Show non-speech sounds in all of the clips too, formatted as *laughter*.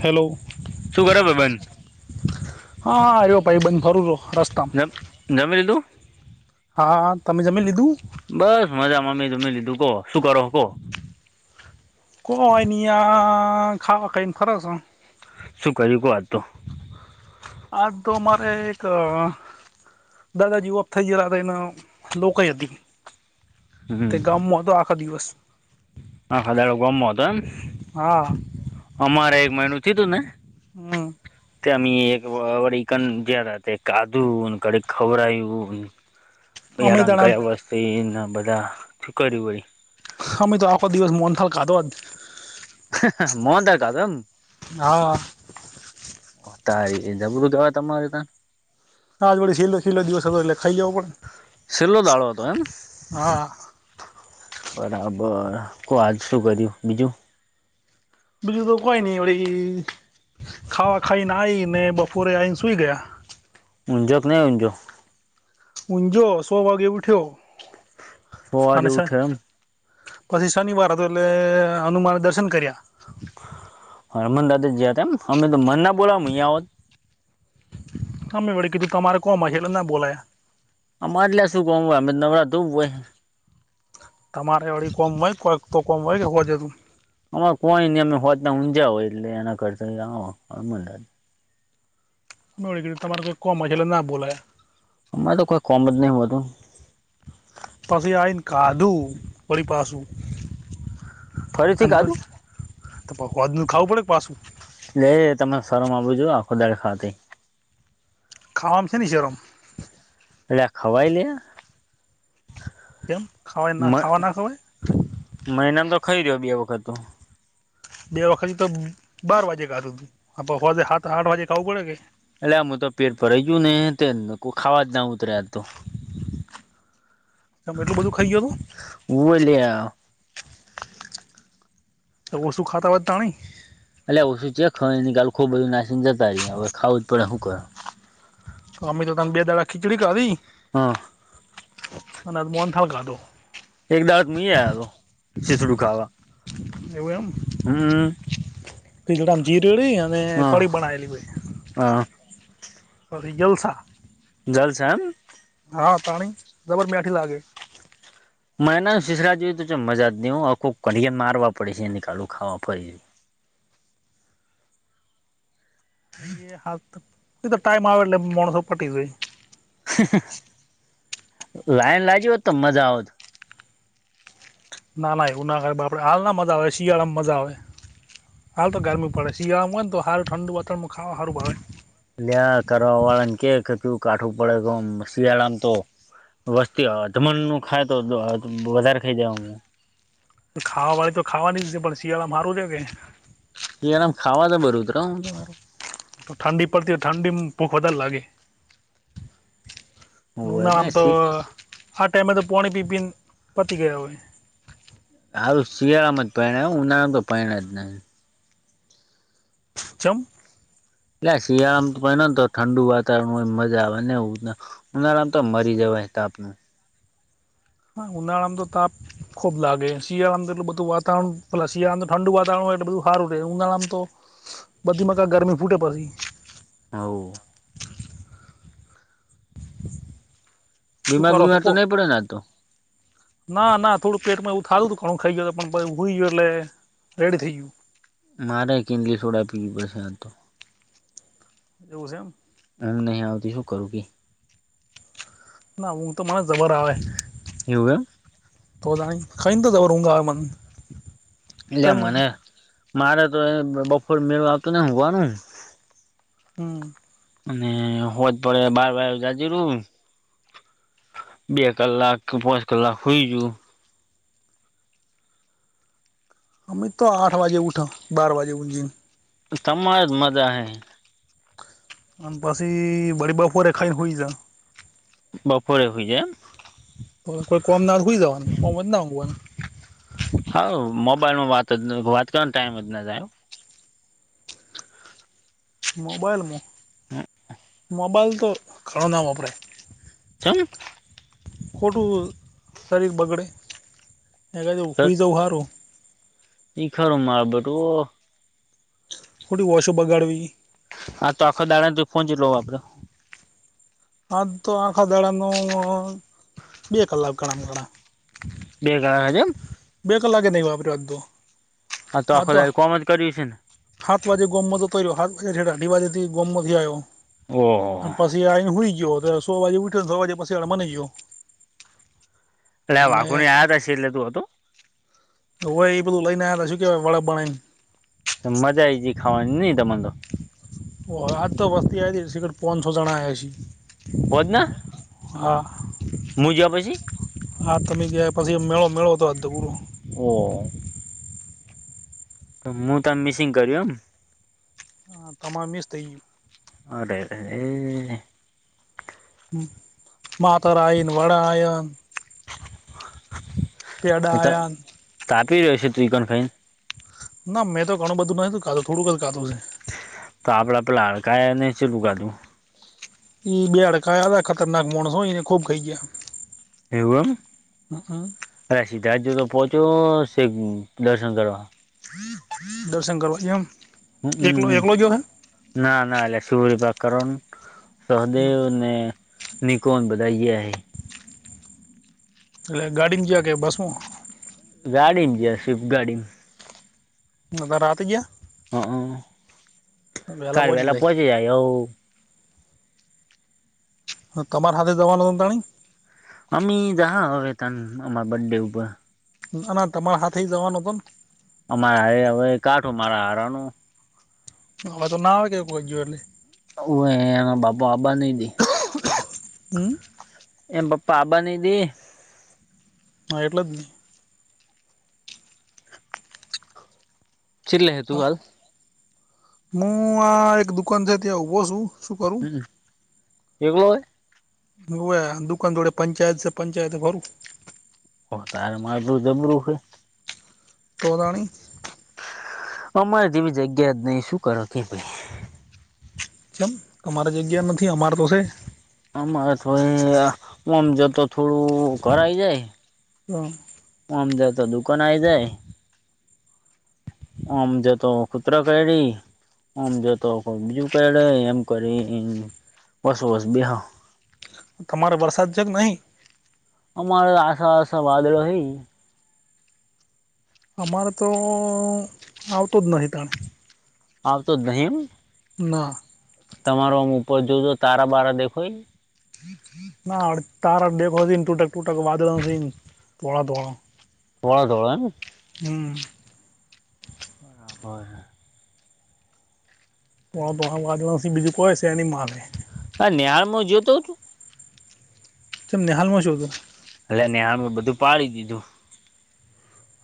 Hello. શું કરે ભઈબંધ હા હા આવ્યો ભાઈ બંધ ફરું છું રસ્તામાં એમ જમી લીધું હા હા તમે જમી લીધું બસ મજા માં અમે જમી લીધું કો શું કરો હો કો કોવાનીયા ખાવ ખાયન ખરશ શું કર્યું કો આજ તો આજ તો અ મારે એક દાદાજી ઓફ થઈ ગયેલા હતા એની લોકઈ હતી તે હમ ગામમાં હતો આખા દિવસ આખો દાળો ગોમ માં હતો એમ હા અમારે એક મએણું થયુ તું ને હમ્મ. તેમ એક વડીકન જે હતા તે કાદન કડી ખવરાઈ. *inaudible* રંગ તણા કરયા વસ્તુને બધા છુકરી હોય. અમે તો આખો દિવસ મોહનથાળ *unintelligible* મોહનથાળ ખાધો એમ. હા. ઓ તારી એ બધું કેવાય તમારે ત્યાં. આજ વડી શીલો ખીલો દિવસ એટલે ખાઈ જવ પડે છેલ્લો દાડો હતો એમ હા. બરાબર કોલ શું કર્યું બીજું. બીજું તો કોઈ નઈ ઓળી ખાવા ખાઈ ને આઈ ને બપોરે આવીઈને સુૂઈ ગયા. ઊજો કે નહીં ઊજો. ઊંજો સો વાગે ઉઠ્યો સો વાગે અને સાહે ઉઠે એમ પછી શનિવાર હતો એટલે હનુમાન દર્શન કર્યા. હરમન દાદ જયા હતા એમ અમે તો મન ના બોલા અહીંયા હોત. હમે બડી કીધું તમારે કોમાંછેલ એટલે ના બોલાયા. આ મારેયા શું કો હોય અ નવરા તું હોય. તમારે અળડી કોમ હોય કોક તો કોમ હોય હોવાજ હતું. અમા કોઈ ન અમે હોતના ઊંજા હોય એટલે એના કરતા *unintelligible* મેળી તમારે કોઈ કોમ *unintelligible* હોય એટલે ના બોલા. અરે તો કોઈ કોમ જ નહી હોય તો. પછી આઈ કાધું ઓળ પાસું. ફરીથી ખાધું *unintelligible* નું ખાવું પડે પાછું. એ તમે શરમ આવવું જોઈએ આખો દિવસ ખાધી. ખાવામાં શેની શરમ. એલે ખવાય *unintelligible* કેમ ખાવા ના ખાવા ના હોય. મહિના તો ખાઈ રહ્યો બે વખત તો. બે વખત તો બાર વાગે ખાતું હતું *unintelligible* આઠ વાગે ખાવું પડે કે. એટલે આમું તો પેટ ભઈ ગયું ને તે *unintelligible* ખાવા જ ના ઉતર્યા તો. તમ એટલું બધું ખાઈ ગયો હતું. હોવ *unintelligible* તો ઓછું ખાતા હોય તાણે. અલ્યા ઓછું ચ્યા ખવાય ગાળકો ભરીને નાસીને જતા રયા હવે ખાવું જ પડે હું કર. અમે તો તમ બે દાડા ખીચડી ખાધી. હા. અન મોહનથાળ ખાધો. એક દાડ તો હુંય આયોતો શિસડું ખાવા. એવું એમ. હમ્મ. બીજ આમ જીરેડી અને હા કઢી બનાવેેલી હોય. હા. પસી જલસા. જલસા એમ. હા તાણી જબર મેઠી લાગે. *unintelligible* એ હાથ તો તો ટાઈમ આવેલે માણસો પટી *unintelligible* લાઈન લાગી હોત તો મજા આવત. ના ના એવું ના કરાય બાપડે હાલના મજા આવે શિયાળામાં મજા આવે. હાલ તો ગરમી પડે શિયાળામાંય ને તો હારું ઠંડુ વાતાવરણમાં ખાવા સારું ભાવે. લ્યા કરવા વાળા ને કે કચું કાઠું પડે ગમ શિયાળામ તો વસ્તી અધમણ નું ખાય તો વધારે ખાઈ જ હ ખાવા વાળી તો ખાવાની જ પણ શિયાળા મા હારુ છે કે શિયાળા મા ખાવા જબર ઉતર હો તો ઠંડી પડતી ઠંડીમાં ભૂખ વધારે લાગે ઉનાળા આમ તમારું તો આ ટાઈમે તો પાણી પી પીને પતી ગયા હોય હારુ શિયાળામાં જ પઇનાય હોય ઉનાળામાં તો પઈનાય જ નઈ ચમ એટલે શિયાળામાં તોને તો ઠંડુ વાતાવરણય મજા આવે ને એવુંને ઉનાળામ તો મરી જવાય તાપમો હ ઉનાળામાં તો તાપ ખૂબ લાગે શિયાળામાં તો એટલ બધું વાતાવરણ પેલા શિયાળાનું ઠંડુ વાવરણ હોય એટલે બધું સારું રહે ઉનાળામાં તો બધી મકા ગરમી ફૂટે પછી હવ શું બીમાર કરો છો બીમાર તો કો નહી પડે ને આ તો ના ના થોડું પેટમાં એવું થાલું હતું ઘણું ખાઈ ગય પણ ભુઈ ગયો એટલે રેડી થઈ ગયું મારે કીંડલી સોડા પીવી પડશે આજ તો એવું છે એમ ઊંઘ નહીં આવતી હું કરું કે ના ઊંઘ તો મને જબર આવે એવું એમ તો તાણી ખઈ તો જબર ઊંઘ આવ મન એટલે મને મારે તો એ બપોર મેળું આવતું ને હોવાનું હમ અને હોજ પડે બાર વાર જજું બે કલાક કે પાંચ કલાક હોઈ જાઉ અમે તો આઠ વાજે ઉઠો બાર વાજે ઉંઘીને તમારે જ મજા હે અને પછી બરી બપોરે ખઈ હુઈ જાવ બાપોરે હુઈ જાવ એમ કોઈ કોમ ના હોયતો હુઈ જવાનું કોમ હોયતો નહીં ઊંઘવાનું હા મોબાઈલમાં વાત જ વાત કરવાનો ટાઈમ જ ના જાય. મોબાઈલમાં મોબાઈલ તો ઘણો ના વાપરાય ચમ ખોટું શરીર બગડે એના કરતા હુઈ જવુ હારું એ ખરું માર બેટુ ખોટી ઓનખો બગાડવી. હા તો આખો દાડામાં તું ફોન ચેટલો વાપર્યો. હા તો આખા દાડાનું બે કલાક ઘણામાં ઘણા. બે કલાક જ એમ. બે કલાકેે નહી વાપર્યો આજ તો હા તો આખો દાડો કોમ જ કર્યું છે ને. હાતો આજે ગોમ તો ર્યો હા *unintelligible* છે અઢી વાજે થી ગોમમાંથી આવ્યો ને ઓહો પા પછી આવીને હુઈ ગયો સો વાગે ઉઠ્યો છ વાગે પછી મને ગયો. એટલે આ અને વાઘોડીયા? આયા તા છેલ્લે તું હતો હોય એ બધું લઈને આવ્યા હતા શું કેવાય વળા બનાઈ ને તો મજા આઈ જી ખાવાની નહી તમા તો ઓ આજ તો બસ્તી આવી તી પાચસો જણા આયા હશી હોજ ના હું જ્યા પછી હા તમે જ્યા પછી મેળો મેળો તો અધપૂરુ ઓ તો મુ તન મિસિંગ કર્યું એમ હા તમા મિસ થઈ ગયું અરે રે રે માતર આયીન વડા આયન *inaudible* પેડા તો ત આયાન તાપી રહી *unintelligible* ના મેં તો ઘણું બધું નતું ખાધું થોડુંક જ ખાધું છે. તો આપણા પેલા હાડકાએ ને છેલું ખાધું ઈ બે આડકા *unintelligible* ખતરનાક માણસો ને ખૂબ ખાઈ ગયા એવું એમ હમ અરે સિદ્ધાર્થ જોતો પહોંચો સેક દર્શન કરવા દર્શન કરવા એમ એકલો એકલો ગયો હે ના ના *unintelligible* સહદેવને નિકોન બધા ગીયા હૈ એટલે ગાડીમાં ગીયા કે બસમાં? ગાડીમ ગીયા સ્વિફ્ટ ગાડી નતા રાતે હઅ ગયા વહેલા કાલ પોચી વેલા જાય. હ પહોંચી હવ હ તમારે હાથે જવાનું હતાણી અમી જાહા અવે તન અમા બડે ઉપર ના ના તમાર હાથ ઈ જવાનું હતો ન અમારા *unintelligible* હવે કાઠો મારા હારાનું હવે તો ના આવે કોઈ ગયો એટલે ઉવે એનો બાપ આબા નઈ દે હમ. એમ પપ્પા આબા ની દે હા એટલે જ ને ચીરલે હેતું આલ મુ આ એક દુકાન છે, ત્યાં ઊભો છું શું કરું એકલો હે દુકાન થોડે પંચાયત સે પંચાયત ભરું ઓ તાર મારું જબરું કે તોરાણી અમારે જેવી જગ્યા જ નહી શું કરો કે ભાઈ જેમ તમારી જગ્યા નથી અમારે તો છે. અમારે તો એ મમજ તો થોડું ઘરાઈ જાય *inaudible* ઓમ જાયો તો દુકાન આય જાય આમ જોતો કૂતરો કરદી આમ જોતો કો બીજું કડે એમ કરીને બસ વસ બેહ તમારે વરસાદ છે, કે નહીં? અમારે આશા આશા વાદળો હે અમારે તો આવતો જ નહી *unintelligible* આવ તો જ નહી એમ ના તમારો આમ ઉપર જોજો તારા બારા દેખોય ના તારા દેખો *unintelligible* ટુટક ટુટક વાંદળા થોડા થોડા થોડા થોડા એમ હમ રાબર તો તો વાદવાસી બીજું કોઈ છે એની મારે હા નેળાલમાં જોતો હતું તેમ નેહાલમાં શું હતું એટલે નેંહાલમાં બધું પાડી દીધું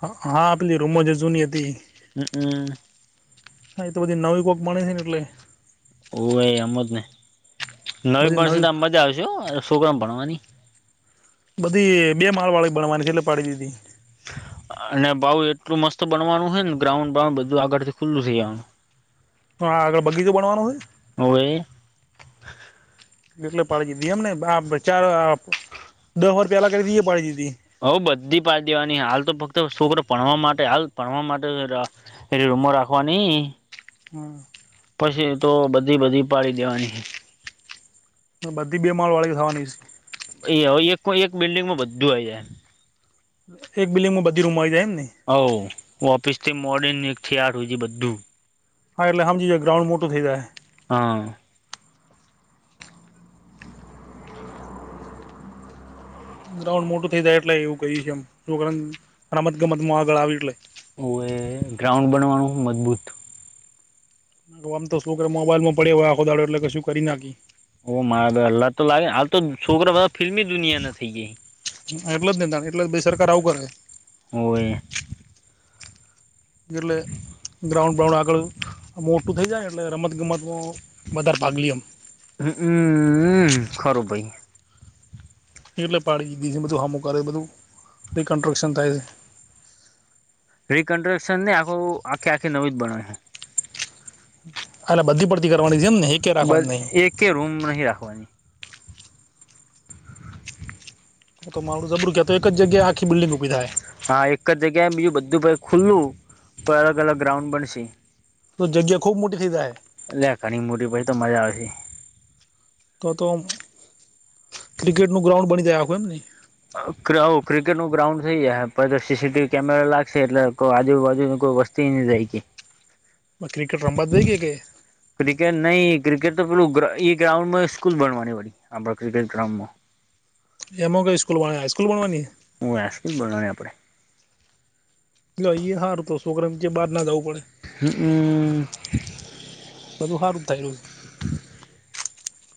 હા આપલી રૂમો જે જૂની હતી હમ હમ હા એ તો બધી નવી કોક મણે છે ને એટલે ઓ એ આમ જ ને નવી ભણશે તો આ મજા આવશ છોકરામ ભણવાની બધી બે માળવાળી બણવાની છે એટલે પાડી દીધી અને બાહુ એટલું મસ્ત બનવાનું છે ને ગ્રાઉન્ડ બ્રાઉન્ડ બધું આગળથી ખુલ્લું થઈ જવાનું શું આગળ બગીચો બણવાનો હોય હોવે એટલે પાડી દીધી એમને ચાર દહ વાર પેલા કરી તી એ પાડી દીધી હઉ બધી પાલ દે વાની હાલ તો ફક્ત છોકરો ભણવા માટે હાલ ભણવા માટે પેલે રૂમમાં રાખવાની હા પછી એતો બધી બધી પાડી દેવાની બધી બે માળ વાળી થવાની છે એ હવે એક એક બિલ્ડિંગમાં બધું આવી જાય એક બિલ્ડિંગમાં બધી રૂમ આવી જાય એમ ને હવ ઓફિસ થી મોડીને એક થી આઠ હૂંડી બધું હા એટલે હમજી જા ગ્રાઉડ મોટું થઈ જાહે હા ગ્રાઉન્ડ મોટું થઇ જાય એટલે એવું કહી છે એમ રમત ગમતું આગળ આવી એટલે ઓ એ ગ્રાઉન્ડ બનવાનું મજબૂત આમ તો શું કર મા મોબાઈલમાં પડે હવે આખો દાડો એટલે કું કરી નાખી ઓ મારા હલ્લાદ તો લાગે હાલ તો છોકરા બધા ફિલ્મી દુનિયા ના થઇ ગઈ હ એટલે જ નહી ત એટલે બી સરકાર આવું કરે હોવે એટલે ગ્રાઉન્ડ બ્રાઉન્ડ આગળ મોટું થઈ જાય ને એટલે રમત ગમતમાં વધાર ભાગલી એમ હમ ખરૂ ભઈ એટલે પાડી દીધુ છે બધું હામુકે છે બધું રીકન્સ્ટ્રક્શન થાય રીકન્સ્ટ્રક્શન ની આખું આખી આખી નવી જ બનહે એાલે બધી પડતી કરવાની જે એમ ને એકય રાખવાની નહી. તે રૂમ નહી રાખવાની હ તો મારું જબરુ ક તો એક જગ્યાએ આખી બિલ્ડંગ ઉભી થાય હા એક જગ્યાએ બીજું બધું ભ ખુલ્લું પણ અલગ અલગ ગ્રાઉન્ડ બનશે. તો જગ્યા ખુબ મોટી થઈ જાહે એલા ઘણી મોટી થઈ તો મજા આવશે તો તો ક્રિકેટ નું ગ્રાઉન્ડ બની જાહે એમને ક્રિકેટ નું ગ્રાઉન્ડ થઈ જાહે પહી તો સી સી ટીવી કેમેરા લાગશે એટલે કોઈ આજુબાજુની કોઈ વસ તી ને જાયકે ક્રિકેટ રમવા દઈ કે કે ક્રિકેટ નહી ક્રિકેટ તો પેલું ગ્રાઉન્ડમાં સ્કૂલ બનવાની પડી આપ ક્રિકેટ ગ્રાઉન્ડમાં એમાં કઈ સ્કૂલ બનવાની હાઈસ્કૂલણ બનવાની હું હાઇસ્કુલ બનાવાની આપડે લો ઈ હારું તો છોકરાવ ને કે બહાર ના જવું પડે હમ બધું સારું થાય રહ્યું છે.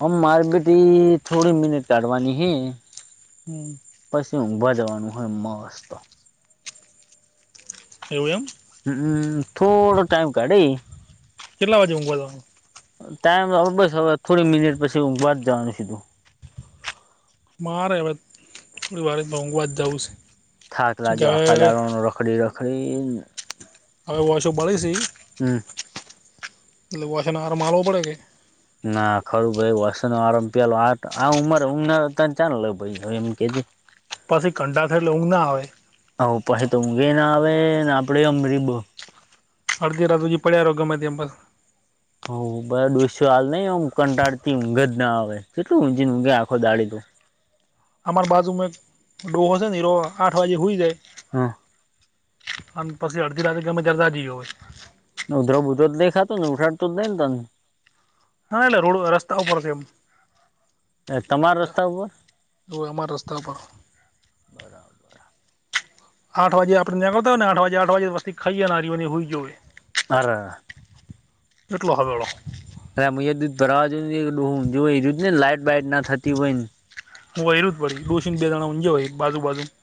હમ મારે બધી થોડી મિનિટ કાઢવાની હે. હમ પછી ઊંઘવા જવાનું હે મસ્ત એવું એમ? હમમ થોડો ટાઈમ કાઢી કેટલા? *unintelligible* ટાઈમ બસ હવે થોડી મિનિટ પછી ઊંઘવા જવાનું સીધું મારે હવ થોડી વારમાં ઊંઘવા જવું છે. થાક કે લાગ્યો આખા હવે દાળાનો રખડી રખડીન હવે ઓશો બળે છે. હમ *unintelligible* ના ખરું ભાઈ વર્ષ નો આરંભ પેલા આ ઉમર *inaudible* પછી ઘંટા થયી‌ એટલે ઊઘ ના આવે. હ પછી તો ઊંઘે ના આવે ને આપડે *inaudible* અડધી રાત હુધી પડયા‌ રિયો ગમેતેમ બ હ બરા ડોસ્યો હાલ નઈ કંટાળ થી ઊઘ જ ના આવે કેટલું ઊંઘજ ન આવે ઊઘે આખો દાળી તો અમાર બાજુ માં એક ડોહો છે ની રોજ આઠ વાગે હુઈ જાય. હા અને પછી અડધી રાતે તમે *inaudible* હોય. ઉધ ઉધર જ નઈ ખાતો ને ઉઠાડ તો જ નઈને તન હા એટલે રોડ રસ્તા ઉપર છે એમ એ તમાર રસ્તા ઉપર? હોવે અમારા રસ્તા પર બરાબર આઠ વાગે આપણને નીકળતા હોય ને આઠ વાગે આઠ વાગે વસ્તી ખાઈ એ લારીઓ ને સુઈ ગ્યો હોય. અરે *unintelligible* અરે મુયે દૂધ ભરાવા જો એ દૂધ ને લાઈટ બાઈટ ના થતી હોય ને *inaudible*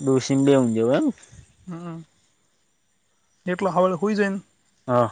ડોશિ ને બેે *inaudible* *inaudible* હા